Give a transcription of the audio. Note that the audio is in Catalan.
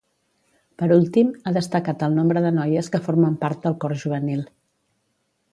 Per últim, ha destacat el nombre de noies que formen part del cor juvenil.